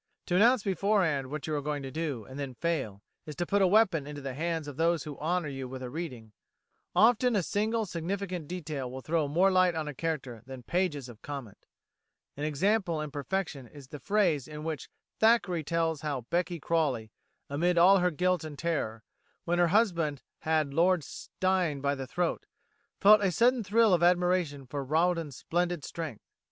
To announce beforehand what you are going to do, and then fail, is to put a weapon into the hands of those who honour you with a reading. "Often a single significant detail will throw more light on a character than pages of comment. An example in perfection is the phrase in which Thackeray tells how Becky Crawley, amid all her guilt and terror, when her husband had Lord Steyne by the throat, felt a sudden thrill of admiration for Rawdon's splendid strength.